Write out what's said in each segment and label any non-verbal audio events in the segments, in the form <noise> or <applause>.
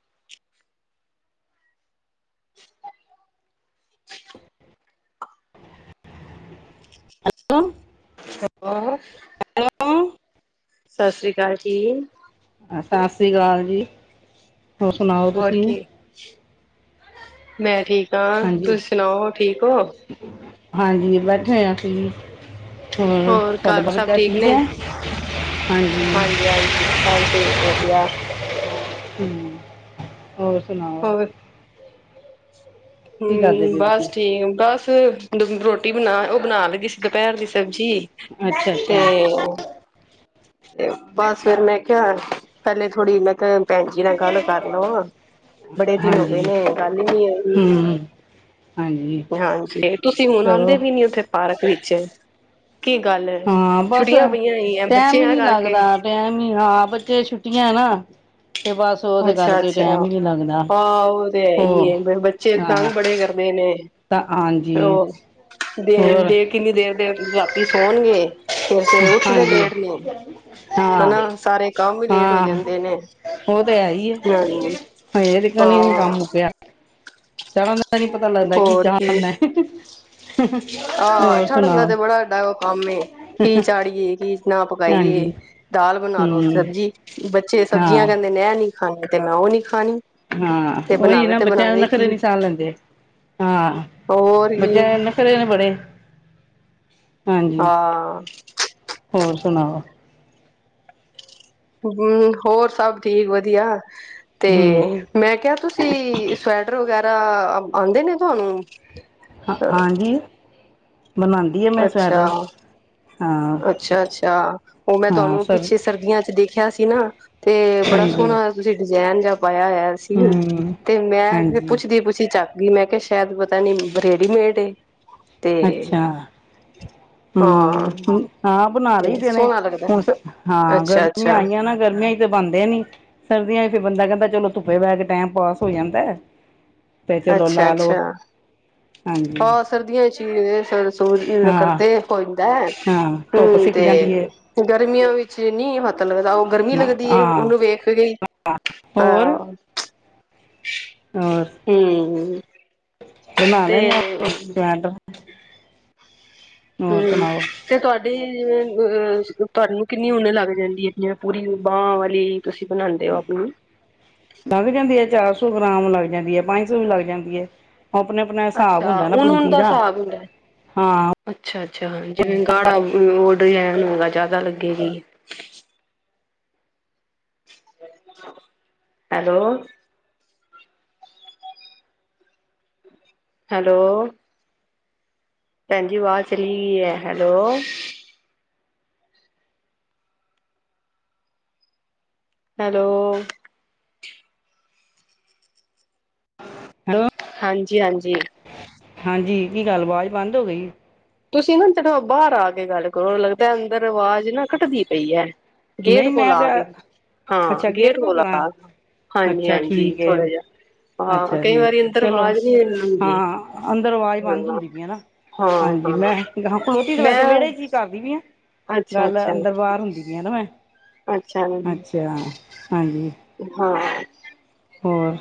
<unintelligible> Hello. ਔਰ hello. ਸਤਿ ਸ੍ਰੀ ਅਕਾਲ ਜੀ। ਸਤਿ ਸ਼੍ਰੀ ਅਕਾਲ ਜੀ। ਹੋਰ ਸੁਣਾਓ ਹੋਰ ਤੁਸੀਂ ਕੀ, ਮੈਂ ਠੀਕ ਹਾਂ ਹਾਂਜੀ ਤੁਸੀ ਸੁਣਾਓ ਠੀਕ ਹੋ? ਹਾਂਜੀ ਬੈਠੇ ਹੋਏ ਆ ਅਸੀਂ, ਹੋਰ ਤੁਹਾਡਾ ਘਰ ਸਭ ਬਗਾ ਠੀਕ ਹੈ? ਹਾਂਜੀ। ਹਾਂਜੀ-ਹਾਂਜੀ ਸਭ ਠੀਕ ਵਧੀਆ। ਹੂੰ ਹੋਰ ਸੁਣਾਓ। ਕੀ ਕਰਦੇ ਹੂੰ ਪਏ ਬਸ ਤੁਸੀਂ ਠੀਕ ਬਸ ਰੋਟੀ ਬਣਾ ਉਹ ਬਣਾ ਲਗੀ ਸੀ ਦੁਪਹਿਰ ਦੀ ਸਬਜ਼ੀ। ਅੱਛਾ, ਅੱਛਾ। ਤੇ ਬਸ ਮੈਂ ਕਿਹਾ ਪਹਿਲੇ ਥੋੜੀ ਮੈਂ ਕਿਹਾ। ਪੈਣ ਜੀ ਨਾਲ ਗੱਲ ਕਰ ਲਵਾ। ਬੜੇ ਦਿਨ ਹੋ ਗਏ ਹਾਂਜੀ ਨੇ ਗੱਲ ਈ ਨੀ ਹੋਈ। ਹਮ ਹਾਂਜੀ। ਹਾਂਜੀ। ਤੁਸੀ ਹੁਣ ਕਰੋ ਆਂਦੇ ਵੀ ਨੀ ਉੱਥੇ। ਪਾਰਕ ਵਿੱਚ, ਕੀ ਗੱਲ, ਹਾਂ ਬਸ ਛੁੱਟੀਆਂ ਪਈਆਂ ਹੋਈਆ। ਟੈਮ ਈ ਨੀ ਲੱਗਦਾ। ਟੈਮ ਈ ਹਾਂ ਬੱਚੇ ਛੁੱਟੀਆਂ ਏ ਨਾ ਤੇ ਬਸ ਉਹਦੇ ਅੱਛਾ- ਕਰਕੇ ਅੱਛਾ ਆ ਟੈਮ ਹੀ ਨਹੀਂ ਲੱਗਦਾ ਹਾਂ ਉਹ ਤੇ ਹੈ ਈ ਹੋ ਏ ਪਰ ਬੱਚੇ ਹਾਂ ਤੰਗ ਬੜੇ ਕਰਦੇ ਨੇ। ਤਾਂ ਹਾਂਜੀ ਹੋਰ ਦੇ ਹੋਰ ਦੇ ਕਿੰਨੀ ਦੇਰ ਦੇ ਰਾਤੀ ਸੌਣਗੇ। <unintelligible> ਫੇਰ ਸਵੇਰੇ ਉੱਠਦੇ ਹਾਂਜੀ ਲੇਟ ਨੀ ਓ ਹਨਾ ਹਾਂ ਸਾਰੇ ਕੰਮ ਵੀ ਲੇਟ ਹੋਈ ਹਾਂ ਜਾਂਦੇ ਨੇ। ਉਹ ਤੇ ਹੈ ਈ ਏ ਹਾਂਜੀ ਹਜੇ ਟਿਕਣ ਈ ਨੀ ਕੰਮ ਹਾਂ ਮੁੱਕਿਆ। ਚੜਨ ਦਾ ਨੀ ਪਤਾ ਲੱਗਦਾ ਕੀ ਚਾੜਨਾ ਆਹ ਚਾੜਨ ਦਾ ਤੇ ਬੜਾ ਸਾਡਾ ਉਹ ਕੰਮ ਏ ਕੀ ਚਾੜੀਏ ਕੀ ਨਾ ਹਾਂਜੀ ਪਕਾਈਏ ਦਾਲ ਬਣਾ ਲੋ ਹਮ ਸਬਜ਼ੀ ਬੱਚੇ ਸਬਜ਼ੀਆਂ ਹਾਂ ਕਹਿੰਦੇ ਅਹਿ ਨੀ ਖਾਣੀ ਤੇ ਮੈਂ ਉਹ ਨੀ ਖਾਣੀ ਹਾਂ ਤੇ ਉਹੀ ਬਣਾਵੇ ਨਾ ਤੇ ਬੱਚਿਆਂ ਨੂੰ ਬਣਾਵੇ ਕੀ ਨਖਰੇ ਨੀ ਸਾਹ ਲੈਂਦੇ ਹਾਂ ਹੋਰ ਕੀ ਬੱਚਿਆਂ ਖਰੇ ਨੇ ਬੜੇ ਹਾਂਜੀ। ਹਾਂ ਹੋਰ ਸੁਣਾਓ? ਹਮ ਹੋਰ ਸਭ ਠੀਕ ਵਧੀਆ ਤੇ ਹਮ ਮੈਂ ਕਿਹਾ ਤੁਸੀਂ ਸਵੈਟਰ ਵਗੈਰਾ ਆਉਂਦੇ ਨੇ ਤੁਹਾਨੂੰ। ਹਾਂ ਹਾਂਜੀ ਬਣਾਉਂਦੀ ਹ ਮੈਂ ਅੱਛਾ ਸਵੈਟਰ ਹਾਂ ਅੱਛਾ, ਅੱਛਾ ਉਹ ਮੈਂ ਹਾਂ ਤੁਹਾਨੂੰ ਸਰ ਪਿੱਛੇ ਸਰਦੀਆਂ ਚ ਦੇਖਿਆ ਸੀ ਨਾ। ਤੇ ਬੜਾ ਹਾਂਜੀ ਸੋਹਣਾ ਤੁਸੀਂ ਡਿਜ਼ਾਇਨ ਜਾਂ ਪਾਇਆ ਹੋਇਆ ਸੀ ਹਮ ਤੇ ਮੈਂ ਫ ਹਾਂਜੀ ਪੁੱਛਦੀ ਪੁੱਛਦੀ ਚੱਕ ਬੀ ਮੈਂ ਕਿਹਾ ਸ਼ੈਦ ਪਤਾ ਨੀ ਬਰੇਡੀਮੇਟ ਏ। ਤੇ ਅੱਛਾ ਹਾਂ ਹਮ- ਹਾਂ। ਬਣਾ ਤੇ ਲਈ ਦੇ ਣੇ ਸੋਹਣਾ ਲੱਗਦਾ ਹੁਣ ਸ ਹਾਂ ਅੱਛਾ ਗਰਮੀਆਂ ਅੱਛਾ ਆਈਆਂ ਨਾ ਗਰਮੀਆਂ ਚ ਤੇ ਬਣਦੇ ਨੀ। ਸਰਦੀਆ ਚ ਤੇ ਬੰਦਾ ਕਹਿੰਦਾ ਚਲੋ ਧੁੱਪੇ ਬਹਿ ਕੇ ਟੈਮ ਪਾਸ ਹੋ ਜਾਂਦੈ। ਤੇ ਚਲੋ ਅੱਛਾ ਲਾ ਲੋ ਅੱਛਾ ਹਾਂਜੀ। ਹਾਂ ਸਰਦੀਆਂ ਚ ਹੀ ਸ ਹਾਂ ਕਰਦੇ ਹੋ ਜਾਂਦਾ ਹਾਂ ਧੁੱਪ ਹਮ ਸਿੱਕ ਤੇ ਜਾਂਦੀ ਹੈ <unintelligible> ਗਰਮੀਆਂ ਵਿੱਚ ਨੀ ਹੱਥ ਲੱਗਦਾ। ਉਹ ਗਰਮੀ ਲੱਗਦੀ ਏ ਹਾਂ ਉਹਨੂੰ ਵੇਖ ਕੇ। ਹੋਰ ਹਾਂ <unintelligible> ਹੋਰ ਹਮ। ਬਣਾ ਤੇ ਲੈਣੇ ਆ ਆਪਾ ਸਵੈਟਰ। ਹੋਰ ਹਮ ਸੁਣਾਓ ਤੇ ਤੁਹਾਡ ਜੀ ਅਹ ਤੁਆਨੂੰ ਕਿੰਨੀ ਉਨ ਲੱਗ ਜਾਂਦੀ ਏ ਜ ਪੂਰੀ ਬਾਂਹ ਵਾਲੀ। ਤੁਸ਼ੀ ਬਣਾਦੇ ਔ ਆਪਣੀ? ਲੱਗ ਜਾਂਦੀ ਏ ਚਾਰ ਸੌ ਗ੍ਰਾਮ ਲੱਗ ਜਾਂਦੀ ਏ ਪੰਜ ਸੌ ਵੀ ਲੱਗ ਜਾਂਦੀ ਏ। ਆਪਨਾ- ਆਪਨਾ ਸਾਬ ਅੱਛਾ ਹੁੰਦਾ ਏ ਨਾ ਉਨ ਉਨ ਬੁੰਤੀ ਦਾ ਹਿਸਾਬ ਹੁੰਦਾ ਹਾਂ। ਅੱਛਾ -ਅੱਛਾ ਜਿਵੇਂ ਗਾੜਾ ਉਹ ਡੀਜੈਨ ਹੁੰਦਾ ਜਾਦਾ ਲੱਗੇਗੀ। ਹੈਲੋ। ਹੈਲੋ। ਭੈਣ ਜੀ ਵਾਜ਼ ਚਲੀ ਗਈ ਹੈ। ਹੈਲੋ? ਹੈਲੋ। ਹੈਲੋ। ਹਾਂਜੀ- ਹਾਂਜੀ। ਹਾਂਜੀ ਕੀ ਗੱਲ ਵਾਜ਼ ਬੰਦ ਹੋ ਗਈ। ਤੁਸੀਂ ਨਾ ਅੰਦਰੋ ਬਾਰ ਆ ਕੇ ਗੱਲ ਕਰੋ। ਲੱਗਦਾ ਅੰਦਰ ਵਾਜ਼ ਨਾ ਕਟਦੀ ਪਈ ਐ। ਗੇਟ ਨਹੀਂ ਕੋਲ ਮੈਂ ਆ ਗਏ। ਤਾਂ ਅੱਛਾ ਹਾਂ ਗੇਟ ਕੋ ਕੋਲ ਕਰਾਂ ਆ ਹਾਂਜੀ ਅੱਛਾ -ਹਾਂਜੀ ਠੀਕ ਹੈ ਥੋੜਾ ਜਿਹਾ। ਆਹ ਅੱਛਾ ਕਈ ਜੀ ਵਾਰੀ ਅੰਦਰ ਚਲੋ ਆਵਾਜ਼ ਨਹੀਂ ਆੰਦੀ ਹ ਹੁੰਦੀ ਹਾਂ ਨਾ। ਹਾਂ। ਲੈ ਮੈ ਹਾਂ ਖਲੋਟੀ ਤੇ ਵੈਸੇ ਮੈਂ ਵਿਹੜੇ ਚੀ ਕਰਦੀ ਪੀ ਆ ਅੱਛਾ ਗੱਲ ਐ ਅੱਛਾ ਅੰਦਰ ਬਾਹਰ ਹੁੰਦੀ ਪੀ ਆ ਨਾ ਮੈਂ। ਅੱਛਾ ਜੀ ਅੱਛਾ ਹਾਂਜੀ ਹਾਂ। ਹੋਰ।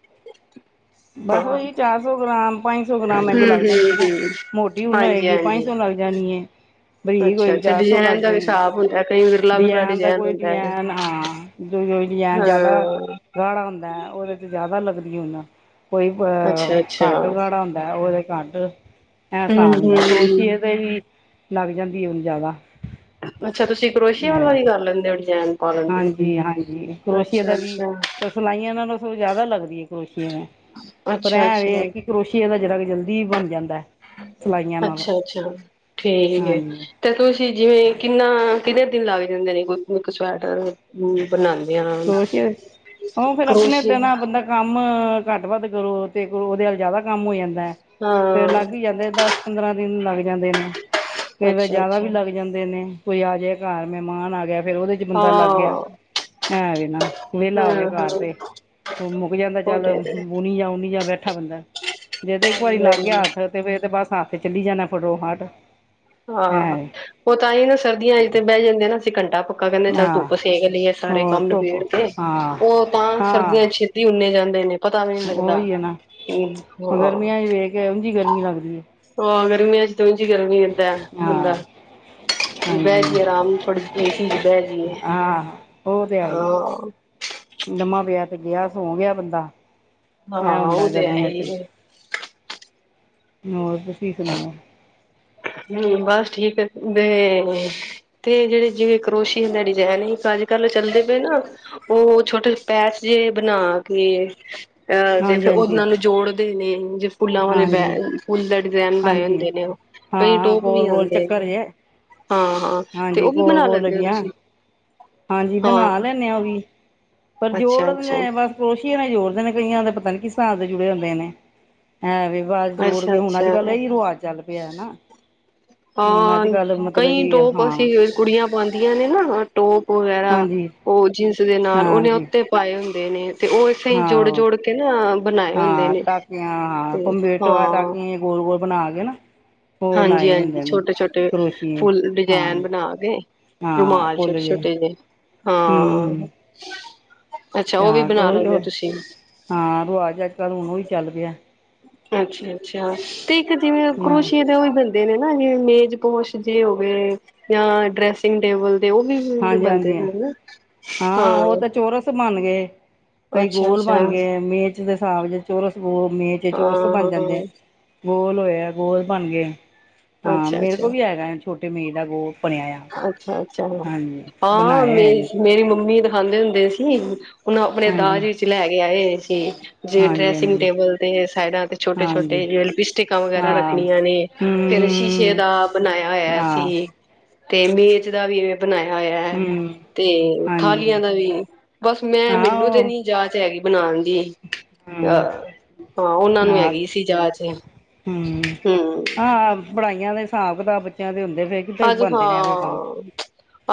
<unintelligible> ਬਸ ਉਹੀ ਹਮ ਚਾਰ ਸੌ ਗ੍ਰਾਮ ਪੰਜ ਸੌ ਗ੍ਰਾਮ ਇੰਜ ਲੱਗ ਜਾਂਦੀ ਹੈ, ਨਾ ਹਮ ਮੋਟੀ ਉਨ ਹਾਂਜੀ ਹੋਏਗੀ ਪੰਜ ਹਾਂਜੀ ਸੌ ਲੱਗ। ਜਾਣੀਏ ਬਰੀਕ ਅੱਛਾ ਹੋਈ ਅੱਛਾ ਚਾਰ ਸੌ ਲੱਗ ਡਿਜ਼ਾਇਨ ਦਾ ਗਈ। ਹਿਸਾਬ ਹੁੰਦਾ ਕਈ ਵਿਰਲਾ ਵਿਰਲਾ ਡਿਜਾਇਨ ਦਾ ਡਿਜ਼ਾਇਨ ਕੋਈ ਹੁੰਦਾ ਹੈ ਡਿਜਾਇਨ ਹਾਂ ਜੋ ਕੋਈ ਡਿਜਾਇਨ ਜ਼ਿਆਦਾ। ਹਾਂ ਗਾੜਾ ਹੁੰਦਾ ਉਹਦੇ 'ਚ ਜ਼ਿਆਦਾ ਲੱਗਦੀ ਉਨ। ਕੋਈ ਅੱਛਾ ਘੱਟ ਅੱਛਾ ਖੜਾ ਹੁੰਦਾ, ਉਹਦੇ ਘੱਟ। ਐ ਹੂੰ ਹਿਸਾਬ ਹੂੰ ਹੁੰਦਾ, ਕਰੋਸ਼ੀਏ ਤੇ ਵੀ ਲੱਗ ਜਾਂਦੀ ਹੈ ਉਨ ਜ਼ਿਆਦਾ। ਅੱਛਾ ਤੁਸੀਂ, ਕਰੋਸ਼ੀਏ ਵਾਲਾ ਹੈ ਵੀ ਕਰ ਲੈਂਦੇ ਹੋ ਡਜੈਨ। ਹਾਂਜੀ- ਹਾਂਜੀ, ਕਰੋਸ਼ੀਏ ਦਾ ਵੀ ਅੱਛਾ ਤੇ ਸਿਲਾਈਆਂ ਨਾਲੌ ਸਗੋ ਜ਼ਿਆਦਾ ਲੱਗਦੀ ਏ ਕਰੋਸ਼ੀਏ ਨਾਲ। ਅੱਛਾ ਅੱ। ਇਹ ਹੈ ਕਿ ਕਰੋਸ਼ੀਏ ਨਾਲ ਜਰਾ ਕ ਜਲਦੀ ਬਣ ਜਾਂਦਾ। ਸਿਲਾਈਆਂ ਨਾਲੋਂ ਅੱਛਾ- ਅੱਛਾ, ਠੀਕ ਏ। ਹਾਂਜੀ ਤੇ ਤੁਸੀਂ ਜਿਵੇਂ ਕਿੰਨਾ ਕਿੰਨੇ ਦਿਨ ਲੱਗ ਜਾਂਦੇ ਨੇ ਇੱਕ ਸਵੈਟਰ ਨੂੰ? ਬਣਾਉਂਦੀਆਂ। ਕਰੋਸ਼ੀਆ ਉਹ ਫੇਰ ਆਪਣੇ ਤੇ ਦਾ ਨਾ ਬੰਦਾ। ਕੰਮ ਘੱਟ ਵੱਧ ਕਰੋ ਤੇ ਕਰੋ ਉਹਦੇ ਵਲ ਜਿਆਦਾ ਕੰਮ ਹੋ ਜਾਂਦਾ ਤੇ ਲੱਗ ਹੀ ਹਾਂ ਜਾਂਦੇ ਦਸ। ਪੰਦਰਾਂ ਦਿਨ ਲੱਗ ਜਾਂਦੇ ਨੇ। ਕਈ ਵਾਰੀ ਅੱਛਾ ਜਿਆਦਾ ਵੀ ਅੱਛਾ ਲੱਗ ਜਾਂਦੇ ਨੇ। ਕੋਈ ਆਜੇ ਘਰ ਮਹਿਮਾਨ ਆ ਗਿਆ, ਫਿਰ ਉਹਦੇ ਹਾਂ। ਐਵੇ ਨਾ, ਵਿਹਲਾ ਹੂੰ ਹੋਵੇ ਘਰ ਹੂੰ ਤੇ। ਮੁੱਕ ਜਾਂਦਾ ਉਹ ਚੱਲ ਤੇ ਹੈ ਉਨੀ ਜਾ ਓਨੀ ਜਾ ਬੈਠਾ ਬੰਦਾ, ਜੇ ਤੇ ਇੱਕ ਵਾਰੀ ਹਾਂਜੀ ਲੱਗ ਹਾਂਜੀ ਗਿਆ ਹੱਥ। ਫਿਰ ਤੇ ਬਸ ਹੱਥ ਚੱਲੀ ਜਾਣਾ ਫਟੋ ਹਟ। ਹਾਂ ਉਹ ਤਾਂ ਹੀ ਨਾ ਸਰਦੀਆਂ ਚ ਤੇ ਬਹਿ ਜਾਂਦੇ ਨਾ ਅਸੀਂ ਘੰਟਾ ਕ। ਪਾ ਕਹਿੰਦੇ ਚੱਲ ਹਾਂ ਧੁੱਪ ਸੇਕ ਲਈਏ ਸਾਰੇ ਹੋਰ ਕੰਮ ਧੁੱਪ ਨਿਬੇੜ ਕੇ, ਹਾਂ ਉਹ ਤਾਂ ਹਾਂ ਸਰਦੀਆਂ ਚ। ਤੇ ਉਨੇ ਜਾਂਦੇ ਨੇ। ਪਤਾ ਵੀ ਨਹੀਂ ਲੱਗਦਾ ਉਹੀ ਹੈ ਨਾ ਹ ਹਾਂ। ਗਰਮੀਆਂ ਚ ਵੇਖ ਕੇ ਉਂਝ ਹੀ ਗਰਮੀ ਲੱਗਦੀ ਹੈ ਹਾਂ ਗਰਮੀਆਂ ਵਿੱਚ ਤਾਂ ਉੰਝ ਗਰਮੀ। ਬੰਦਾ ਹਾਂ ਬਹਿ ਹਾਂਜੀ ਜਾਈਏ ਆਰਾਮ ਥੋੜੀ ਦੇਰ ਏ ਸੀ ਚ ਬਹਿ ਜਾਈਏ। ਹਾਂ ਉਹ ਤੇ ਹੈ ਈ ਆ, ਲਮਾਂ ਪਿਆ ਤੇ ਗਿਆ ਸੋ ਗਿਆ ਬੰਦਾ। ਹੈ ਹਾਂ ਉਦਾਂ ਉਹ ਤੇ ਹੈ ਗਰਮੀਆਂ ਚ। ਹੀ ਹੋਰ ਤੁਸੀਂ ਸੁਣਾਓ? ਹਮ ਬਸ ਠੀਕ ਹੈ ਤੇ। ਤੇ ਜਿਹੜੇ ਜਿਵੇਂ ਕਰੋਸ਼ੀਆ ਦਾ ਡਿਜਾਇਨ ਏਕ ਅੱਜ ਕੱਲ ਚੱਲਦੇ ਪਏ ਨਾ। ਉਹ ਛੋਟੇ ਪੈਚ ਜਿਹੇ ਬਣਾ ਕੇ। ਅਹ ਤੇ ਹਾਂਜੀ ਫਿਰ ਹਾਂਜੀ ਉਹਨਾਂ ਨੂੰ ਜੋੜਦੇ ਨੇ ਜੇ ਫੁੱਲਾਂ ਵਾਲੇ ਬੈ ਹਾਂਜੀ ਫੁੱਲ। ਡਿਜ਼ਾਇਨ ਬਣਾਏ ਹਾਂਜੀ ਹੁੰਦੇ ਨੇ ਉਹ ਕਈ ਹਾਂ ਟੋਪ ਵੀ ਗੋਲ ਗੋਲ ਆਉਂਦੇ ਚੱਕਰ ਨੇ ਜੇ ਹਾਂ ਹਾਂ। ਤੇ ਹਾਂਜੀ ਉਹ ਵੀ ਗੋਲ ਬਣਾ ਗੋਲ ਲੈਂਦੇ ਓਹ ਲੱਗੀਆਂ ਤੁਸੀਂ? ਹਾਂਜੀ ਬਣਾ ਹਾਂ ਲੈਂਦੇ ਹ, ਉਹ ਵੀ ਪਰ ਜੋੜ ਅੱਛਾ ਨੇ ਅੱਛਾ ਆ ਬਸ। ਕਰੋਸ਼ੀਏ ਨਾਲ ਜੋੜਦੇ ਨੇ, ਕਈਆਂ ਦੇ ਪਤਾ ਨੀ ਕਿਸ ਹਿਸਾਬ ਦੇ ਜੁੜੇ ਹੁੰਦੇ ਨੇ। ਇਹ ਵੇ ਬੱਸ ਜੋੜ ਅੱਛਾ ਕੇ ਹੁਣ ਅੱਜ ਕੱਲ੍ਹ ਅੱਛਾ ਇਹੀ ਰਿਵਾਜ਼ ਚੱਲ ਪਿਆ ਨਾ। ਹੁਣ ਹਾਂ ਅੱਜ ਕੱਲ੍ਹ ਮਤਲਬ ਕਈ ਕਿ ਟੋਪ ਅਸੀਂ। ਹਾਂ ਕੁੜੀਆਂ ਪਾਉਂਦੀਆਂ ਨੇ ਨਾ ਟੋਪ ਵਗੈਰਾ, ਹਾਂਜੀ ਉਹ ਜੀਨਸ ਦੇ ਨਾਲ ਉਹਨੇ ਹਾਂਜੀ ਉੱਤੇ। ਪਾਏ ਹੁੰਦੇ ਨੇ ਤੇ, ਉਹ ਇਸਤਰਾਂ ਜੋੜ ਹਾਂ ਜੋੜ ਕੇ। ਕੇ ਨਾ ਬਣਾਏ ਹੁੰਦੇ ਹਾਂ ਨੇ ਟਾਕੀਆਂ ਹਾਂ ਤੇ ਕੰਪਿਊਟਰ ਹਾਂ। ਟਾਕੀਆਂ ਗੋਲ ਗੋਲ ਬਣਾ ਕੇ ਨਾ। ਉਹ ਹਾਂਜੀ ਲਾਏ ਹਾਂਜੀ, ਹੁੰਦੇ ਨੇ ਛੋਟੇ ਛੋਟੇ ਕਰੋਸ਼ੀਏ ਫੁੱਲ ਡਿਜਾਇਨ ਹਾਂਜੀ ਬਣਾ ਕੇ। ਹਾਂ ਰੁਮਾਲ ਫੁੱਲ ਛੋਟੇ, ਛੋਟੇ‌ ਜੇ ਹਾਂ, ਹੂੰ ਅੱਛਾ ਓ ਵੀ ਹਾਂ ਬਨਾ ਉਹੀ ਲੈਂਦੇ ਓ ਤੁਸੀ? ਹਾਂ, ਰਵਾਜ ਅੱਜ-ਕੱਲ ਹੁਨ ਉਹੀ ਚੱਲ ਗਿਆ। ਅੱਛਾ, ਅੱਛਾ, ਤੇ ਇੱਕ ਜਿਵੇ ਕਰੋਸ਼ੀ ਦੇ ਓ ਬ ਬਨਦੇ ਨੇ ਨਾ, ਜਿਵੇ ਮੇਜ ਪੋਸ਼ ਜੇ ਹੋਵੇ ਯਾ ਡਰੈਸਿੰਗ ਟੇਬਲ ਦੇ ਓ ਵੀ ਹੂੰ, ਬਨਦੇ ਨੇ ਨਾ। ਹਾ, ਉ ਹਾਂ ਤਾ ਚੋਰਸ ਬਨ ਗਏ, ਕਈ ਗੋਲ ਅੱਛਾ-ਅੱਛਾ, ਬਨ ਗਏ, ਮੇ ਮੇਜ ਦੇ ਹਿਸਾਬ, ਚੋਰਸ ਵੇ ਮੇਜ ਏ ਚੋਰਸ ਬਨ ਜਾਂਦੇ ਆ। ਹਾਂ-ਹਾਂ, ਗੋਲ ਹੋਇਆ ਗੋਲ ਬਨ ਗਏ, ਹਾਂ ਮੇਰੇ ਕੋਲ ਅੱਛਾ-ਅੱਛਾ, ਵੀ ਹੈਗਾ ਛੋਟੇ ਮੇਜ ਦਾ ਗੋਲ ਬਣਿਆ ਆ ਅੱਛਾ, ਅੱਛਾ। ਹਾਂਜੀ ਹਾਂ, ਬਣਾਏ ਮੇ ਹੋਏ ਨੇ ਮੇਰੀ ਮੰਮੀ ਦਾ ਦਿਖਾਂਦੇ ਹੁੰਦੇ ਸੀ, ਉਹਨੂੰ ਆਪਣੇ ਦਾਜ ਹਾਂਜੀ ਵਿੱਚ ਲੈ ਕੇ ਆਏ ਹੋਏ ਸੀ। ਜੇ ਹਾਂਜੀ ਡਰੈਸਿੰਗ ਟੇਬਲ ਤੇ ਸਾਇਡਾਂ ਤੇ, ਛੋਟੇ ਹਾਂਜੀ ਹਾਂਜੀ ਛੋਟੇ ਜ ਲਿਪਸਟਿਕਾਂ ਵਗੈਰਾ ਹਾਂ ਰੱਖਣੀਆਂ ਨੇ। ਫੇਿਰ ਸ਼ੀਸ਼ੇ ਹੂੰ ਦਾ ਬਣਾਇਆ ਹੋਇਆ ਹਾਂ ਅਸੀਂ। ਤੇ ਮੇਜ ਦਾ ਵੀ ਇਹਵੇਂ ਬਣਾਇਆ ਹੋਇਆ ਹੈ। ਹੂੰ ਤੇ ਥਾਲੀਆਂ ਹਾਂਜੀ ਦਾ ਵੀ, ਬਸ ਮੈਂ ਹਾਂ ਮੈਨੂੰ ਤੇ ਉਹ ਨੀ। ਜਾਚ ਹੈਗੀ ਬਣਾਉਣ ਦੀ, ਅਹ ਹੂੰ ਹਾਂ ਉਹਨਾਂ ਨੂੰ ਹੈਗੀ ਸੀ ਜਾਚ। ਹਮ, ਹੂੰ। ਹਾਂ ਪੜ੍ਹਾਈਆਂ ਦੇ ਹਿਸਾਬ ਕਿਤਾਬ ਬੱਚਿਆਂ ਦੇ ਹੁੰਦੇ ਫਿਰ। ਕਿਤੇ ਅੱਜ ਬਣਦੇ ਨੇ ਇਹੋ ਕੰਮ ਹਾਂ,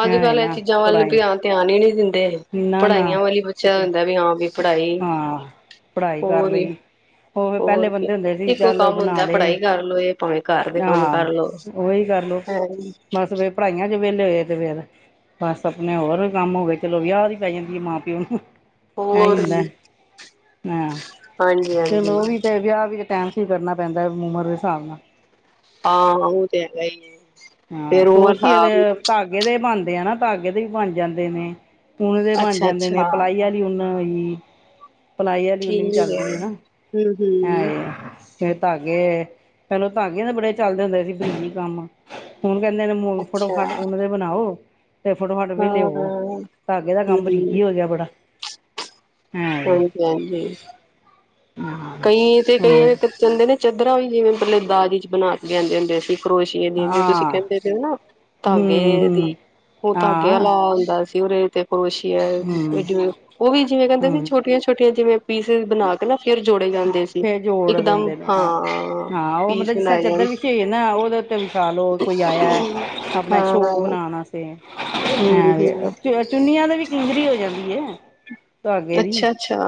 ਅੱਜ ਹੈ ਕੱਲ ਇਹ ਨਾ ਚੀਜ਼ਾਂ ਵੱਲ ਪੜ੍ਹਾਈ ਧਿਆਨ ਹੀ ਨਹੀਂੀ ਦਿੰਦੇ। ਨਾ ਨਾ ਪੜ੍ਹਾਈਆਂ ਵਾਲੀ ਬੱਚਾ ਹੁੰਦਾ ਵੀ ਹਾਂ ਵੀ ਪੜ੍ਹਾਈ। ਹਾਂ ਪੜ੍ਹਾਈ ਕਰ ਹੋਰ ਲਈ, ਹੋਰ ਪਹਿਲੇ ਕੀ ਬੰਦੇ ਹੁੰਦੇ ਸੀ। ਇੱਕੋ ਚੱਲ ਕੰਮ ਬਣਾ ਹੁੰਦਾ ਲਏ ਪੜ੍ਹਾਈ ਕਰ ਲੋ ਇਹ ਭਾਵੇਂ ਘਰ ਦੇ ਕੰਮ ਹਾਂ, ਕਰ ਲੋ ਉਹੀ ਕਰਲੋ। ਹੈ ਅਸੀ ਫੇਰ ਪੜ੍ਹਾਈਆਂ ਚ ਵੇਲੇ ਹੋਏ ਤੇ, ਫੇਰ। ਬਸ ਅਪਨੇ ਔਰ ਵੀ ਕੰਮ ਹੋ ਗਏ ਚਲੋ ਵਿਯਾ ਦੀ ਪੈ ਜਾਂਦੀ ਏ ਮਾਂ-ਪਿਓ ਨੂੰ ਐਈ ਹੋਰ ਹੁੰਦਾ, ਵੀ ਹਾਂ, ਹਾਂਜੀ ਚਲੋ ਓ ਵੀ ਹਾਂਜੀ ਤੇ ਵਿਯਾ ਵੀ ਟੈਮ ਸਿਰ ਕਰਨਾ ਪੈਂਦਾ ੳਮਰ ਦੇ ਹਿਸਾਬ ਨਾਲ। ਆ, ਉ ਤੇ ਹੈਗਾ ਹੀ ਏ। ਹਾਂ, ਕਰੋਸ਼ੀਏ ਦੇ ਧਾਗੇ ਦੇ ਬਨਦੇ ਆ ਨਾ, ਧਾਗੇ ਦੇ ਵੀ ਬਨ ਜਾਂਦੇ ਨੇ। ਉਨ ਦੇ ਬਣ ਅੱਛਾ ਜਾਂਦੇ ਨੇ, ਅੱਛਾ ਪਲਾਈ ਆਲੀ ਊਨ ਹੋਈ ਪਲਾਈ ਆਲੀ ਉਨ ਵੀ ਠੀਕ ਹੈ ਚੱਲਦੀ ਏ ਨਾ, ਹਮ ਐ ਹਮ ਏ। ਫੇ ਧਾਗੇ, ਪਹਿਲੇ ਧਾਗੇ ਨਾ ਬੜੇ ਚੱਲਦੇ ਹੁੰਦੇ ਸੀ ਬਰਿ ਕੰਮ। ਹੁਣ ਕਇੰਦੇ ਨੇ ਅੱਛਾ ਫਟੋਫਟ ਉਨ ਦੇ ਬਨਾਓ। ਤੇ ਫਟੋਫਟ ਵੇਲੇ ਹਾਂ ਹੋਵੋ, ਹਮ ਧਾਗੇ ਦਾ ਕੰਮ ਬਰੀਕੀ ਹੋ ਗਿਆ ਬੜਾ। ਹੈ <unintelligible> ਹਾਂ ਕਈ ਤੇ ਹਾਂ ਹੂੰ ਕਈਆਂ ਤੇ ਕੈਂਦੇ ਨੇ, ਚੱਦਰਾ ਵੀ ਜਿਵੇ ਪਲੇ ਦਾਜ ਚ ਬਨਾ ਕੇ ਆਂਦੇ ਹੁੰਦੇ ਸੀ ਕਰੋਸ਼ਿਏ ਦੀ ਵੀ, ਤੁਸੀ ਕੈਂਦੇ ਪੇ ਓ ਨਾ ਧਾਗੇ ਦੀ, ਹੂੰ ਓ ਧਾਗੇ ਹਾਂ ਆਲਾ ਹੁੰਦਾ ਉਦੇ ਤੇ ਕਰੋਸ਼ੀਆ, ਵੀ ਹੂੰ ਜਿਵੇ ਕੈਂਦੇ ਸੀ ਹੂੰ ਛੋਟੀਆਂ ਛੋਟੀਆਂ ਜਿਵੇ ਪੀਸੇਸ ਬਣਾ ਕੇ ਨਾ ਫੇਰ ਫੇਰ ਜੋੜ ਦਿੰਦੇ ਨੇ। ਹਾਂ ਹਾਂ ਓ ਪੀਸ ਮਤਲ ਜਿਸ ਤਰਾ ਬਣਾਏ ਜਾਣ ਚੱ‍ਦਰ ਵਿਸ਼ੀ ਹੋਈ ਨਾ, ਓਦੇ ਤੇ ਵਿਸ਼ਾ ਲੋ, ਕੋਈ ਆਇਆ, ਆਪਨਾ ਹਾਂ ਸ਼ੋਅ ਬਨਾਨ ਤੇ, ਹੈ ਹੂੰ-ਹੂੰ ਵੇ ਚੁੰਨੀਆਂ ਤੇ ਵੀ ਕਿੰਗਰੀ ਹੋ ਜਾਂਦੀ ਐ। ਅੱਛਾ, ਅੱਛਾ।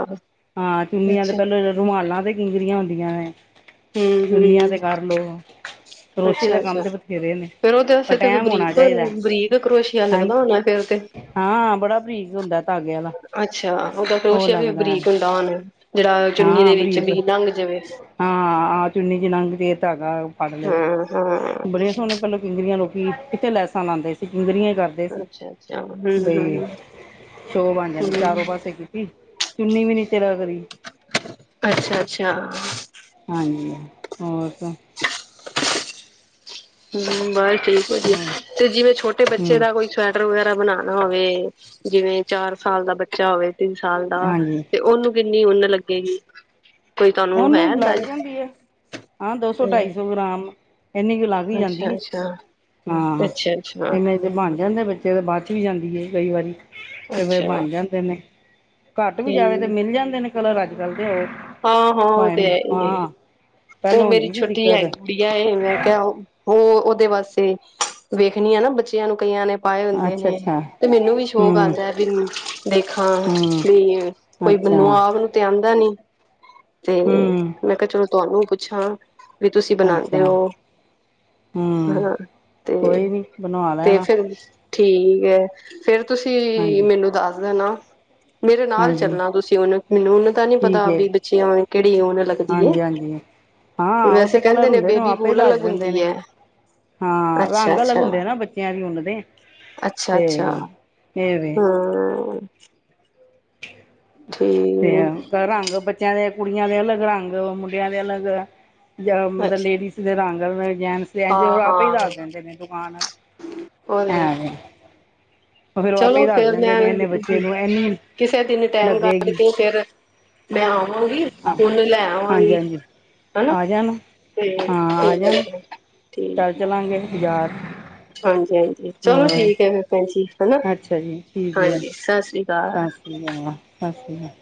ਹਾਂ, ਚੁੰਨੀਆਂ ਤੇ ਪੈਲਾਂ ਰੁਮਾਲਾਂ ਤੇ ਕਿੰਗਰੀਆਂ ਹੁੰਦੀਆਂ ਨੇ। ਹੂੰ-ਹੂੰ ਚੂਨੀਆਂ ਤੇ ਕਰਲੋ। ਕਰੋਸ਼ੇਏ ਦਾ ਕੰਮ ਅੱਛਾ-ਅੱਛਾ ਤੇ ਬਥੇਰੇ ਨੇ, ਫੇਰ ਉਹਦੇ ਪਰ ਵਾਸਤੇ ਤੇ ਟੈਮ ਹੋਨਾ ਚਾਈਦਾ, ਬਰੀਕ-ਬਰੀਕ ਕਰੋਸ਼ੀਆ ਹਾਂ ਲੱਗਦਾ ਹੋਣਾ ਫੇਰ ਤੇ ਹਾਂ, ਬੜਾ ਬਰੀਕ ਹੁੰਦਾ ਤਾਗੇ ਆਲਾ ਅੱਛਾ, ਓ ਤਾਂ ਕਰੋਸ਼ਿਆ ਵੀ ਬਰੀਕ ਹੁੰਦਾ ਹੋਨਾ, ਜੇੜਾ ਚੁੰਨੀ ਹਾਂ ਦੇ ਵਿੱਚ ਬਰੀਕ ਬੀ ਲੰਘ ਜਵੇ। ਹਾਂ, ਆਹ ਚੁੰਨੀ ਜਿਹੀ ਲੰਘਦੀ ਏ ਤਾਗਾ ਫੜ ਲਵੇ। ਅਹ ਬੜੇ ਸੋਨੇ ਪੈਲਾ ਕਿੰਗਰੀਆਂ ਲੋਕੀ, ਕਿੱਥੇ ਲੈਸਾਂ ਲਾਂਦੇ ਸੀ ਕਿੰਗਰੀਆ ਹੀ ਕਰਦੇ ਸੀ ਅੱਛਾ-ਅੱਛਾ, ਹੂੰ ਹੂੰ ਹੂੰ ਬਈ ਹੂੰ। ਸ਼ੋਅ ਬਣ ਜਾਂਦੀ ਚਾਰੋਂ ਪਾਸੇ ਕੀਤੀ, ਚੁੰਨੀ ਵੀ ਨੀ ਤਿਲਕਦੀ। ਅੱਛਾ-ਅੱਛਾ ਹਾਂਜੀ, ਹੋਰ ਹੂੰ ਬੱਸ ਠੀਕ ਵਾ ਜੀ, ਹੋਰ ਤੇ ਜਿਵੇਂ ਛੋਟੇ ਬੱਚੇ ਹਮ ਦਾ ਕੋਈ ਸਵੈਟਰ ਵਗੈਰਾ ਬਣਾਣਾ ਹੋਵੇ, ਜਿਵੇਂ ਚਾਰ ਸਾਲ ਦਾ ਬੱਚਾ ਹੋਵੇ। ਤਿੰਨ ਸਾਲ ਦਾ ਹਾਂਜੀ ਤੇ ਉਹਨੂੰ ਕਿੰਨੀ ਉੱਨ ਲੱਗੇਗੀ। ਕੋਈ ਤੁਹਾਨੂੰ ਹੈ ਉਹਨੂੰ ਲੱਗ ਅੰਦਾਜ਼ਾ ਜਾਂਦੀ ਏ, ਹਾਂ ਦੋ ਸੌ ਢਾਈ ਸੌ ਗ੍ਰਾਮ ਇਨੀ ਕੁ ਲੱਗ ਹੀ ਜਾਂਦੀ ਅੱਛਾ ਹੈ। ਅੱਛਾ ਹਾਂ-ਹਾਂ ਅੱਛਾ ਅੱਛਾ ਇਵੇ ਤੇ ਬਣ ਜਾਂਦੇ ਬੱਚੇ ਤਾਂ ਬੱਚ ਵੀ ਜਾਂਦੀ ਹੈ ਕਈ ਵਾਰੀ ਤੇ ਫੇਰ ਅੱਛਾ ਬਣ ਜਾਂਦੇ ਨੇ। ਘੱਟ ਵੀ ਜਾਵੇ ਤੇ ਠੀਕ ਮਿਲ ਜਾਂਦੇ ਨੇ ਕਲਰ ਅੱਜਕੱਲ੍ਹ ਤੇ ਉਹ। ਹਾਂ- ਹਾਂ ਉਹ ਤੇ ਹੈ ਹੀ ਏ, ਉਹ ਪਹਿਲਾਂ ਮੇਰੀ ਹੁੰਦੀ ਸੀ ਛੋਟੀ ਦਿੱਕਤ <unintelligible> ਦੀਆ ਏ ਮੈ ਕਿਆ, ਉਹ ਉਹਦੇ ਵਾਸਤੇ, ਵੇਖਨੀ ਆ ਨਾ ਬੱਚਿਆਂ ਨੂੰ ਕਈਆਂ ਨੇ ਪਾਏ ਹੁੰਦੇ ਅੱਛਾ ਨੇ। ਅੱਛਾ ਤੇ ਮੈਨੂੰ ਵੀ ਸ਼ੌਕ ਹੂੰ ਆਂਦਾ ਵੀ, ਦੇਖਾਂ, ਹੂੰ ਵੀ ਕੋਈ ਅੱਛਾ ਮੈਨੂੰ ਆਪ ਨੂੰ ਤੇ ਆਂਦਾ ਨੀ। ਤੇ ਹੂੰ ਮੈ ਕੇ ਚਲੋ ਤੁਆਨੂੰ ਪੁੱਛਾਂ, ਵੀ ਤੁਸੀਂ ਬਨਾਂਦੇ ਅੱਛਾ ਹੋ। ਹੂੰ ਹਨਾਂ ਕੋਈ ਤੇ, ਨਹੀਂ ਬਣਵਾ ਤੇ ਲੈਣਾ ਫੇਰ ਠੀਕ ਏ, ਫੇਰ ਤੁਸੀਂ ਹਾਂਜੀ ਮੈਨੂੰ ਦੱਸ ਦੇਨਾ। ਮੇਰੇ ਨਾਲ ਹਾਂਜੀ ਚੱਲਣਾ ਤੁਸੀ ਹੁਨ, ਮੈਨੂੰ ਉੱਨ ਦਾ ਨਈ ਪਤਾ ਠੀਕ ਆ ਹੈ ਵੀ ਬੱਚਿਆ ਨੂੰ ਕਿਹੜੀ ਉੱਨ ਲੱਗਦੀ ਏ। ਹਾਂਜੀ ਹਾਂਜੀ ਹਾਂ ਉਹ ਵੈਸੇ ਤਾਂ ਕਹਿੰਦੇ ਕਲਰ ਨੇ ਹੁੰਦੇ ਉਹ ਬੇਬੀ ਆਪੇ ਬੋਲ ਦੱਸ ਅਲੱਗ ਦਿੰਦੇ ਹੁੰਦੀ ਨੇ ਏ। ਹਾਂ, ਰੰਗ ਅਲੱਗ ਹੁੰਦੇ ਆ ਨਾ ਬੱਚਿਆਂ ਦੀ ਉੱਨ ਦੇ। ਅਤੇ ਅੱਛਾ-ਅੱਛਾ, ਇਹ ਵੇ ਹੂੰ ਤੇ ਠੀਕ ਰੰਗ ਬੱਚਿਆਂ ਦੇ ਕੁੜੀਆਂ ਦੇ ਅਲੱਗ ਰੰਗ, ਮੁੰਡਿਆਂ ਦੇ ਅਲੱਗ ਮਤਲਬ ਅੱਛਾ ਲੇਡੀਜ਼ ਦੇ ਰੰਗ, ਜੈਂਟਸ ਦੇ ਹਾਂ ਆਪ ਹੀ ਹਾਂ ਦੱਸ ਦਿੰਦੇ ਨੇ ਦੁਕਾਨ ਆਲੇ। ਹੋਰ ਉਹ ਫਿਰ ਉਹ ਆਪੇ ਚਲੋ ਹੀ ਦੱਸ ਫੇਰ ਦਿੰਦੇ ਨੇ ਇੰਨੇ ਬੱਚੇ ਮੈਂ, ਨੂੰ ਇੰਨੀ ਕਿਸੇ ਦਿਨ ਟਾਈਮ ਕੱਢ ਲੱਗੇਗੀ ਕੇ ਫੇਰ ਮੈਂ ਆਵਾਂਗੀ, ਹਾਂ ਉਂਨ ਲੈ ਹਾਂਜੀ ਆਵਾਂਗੀ। ਹਾਂਜੀ ਹਨਾ, ਆ ਜਾਣਾ ਠੀਕ, ਹਾਂ ਆ ਠੀਕ, ਜਾਣਾ ਠੀਕ। ਚੱਲ ਚੱਲਾਂਗੇ ਬਾਜ਼ਾਰ। ਹਾਂਜੀ-ਹਾਂਜੀ ਚਲੋ ਹੋਰ ਠੀਕ ਹੈ ਫਿਰ ਭੈਣ ਜੀ ਹਨਾ, ਅੱਛਾ ਜੀ ਠੀਕ ਹੈ ਹਾਂਜੀ ਸਤਿ ਸ੍ਰੀ ਅਕਾਲ ਸਤਿ ਸ਼੍ਰੀ ਅਕਾਲ, ਸਤਿ ਸ਼੍ਰੀ ਅਕਾਲ।